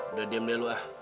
udah diam deh lu ah